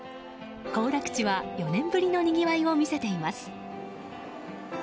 行楽地は４年ぶりのにぎわいを見せています。